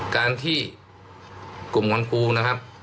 การที่กลุ่มวันครูนะครับ